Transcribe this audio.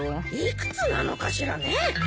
幾つなのかしらね。